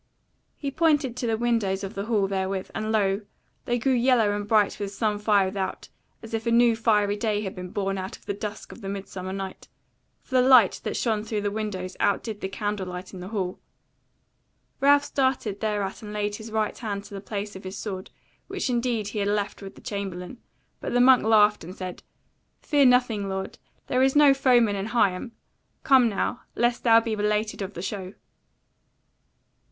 He pointed to the windows of the hall therewith, and lo! they grew yellow and bright with some fire without, as if a new fiery day had been born out of the dusk of the summer night; for the light that shone through the windows out did the candle light in the hall. Ralph started thereat and laid his right hand to the place of his sword, which indeed he had left with the chamberlain; but the monk laughed and said: "Fear nothing, lord; there is no foeman in Higham: come now, lest thou be belated of the show."